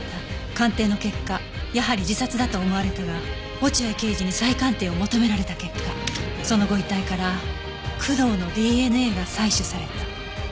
鑑定の結果やはり自殺だと思われたが落合刑事に再鑑定を求められた結果そのご遺体から工藤の ＤＮＡ が採取された